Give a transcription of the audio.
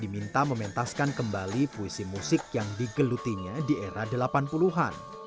diminta mementaskan kembali puisi musik yang digelutinya di era delapan puluh an